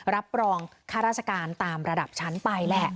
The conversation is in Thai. รับรองค่าราชการตามระดับชั้นไปแหละ